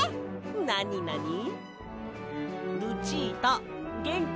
なになに。